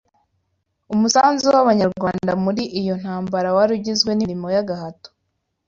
umusanzu w’Abanyarwanda muri iyo ntambara wari ugizwe n’imirimo y’agahato